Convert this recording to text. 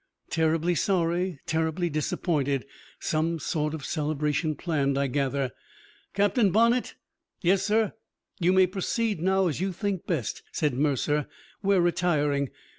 Terribly sorry, terribly disappointed. Some sort of celebration planned, I gather. Captain Bonnett!" "Yes, sir?" "You may proceed now as you think best," said Mercer. "We're retiring.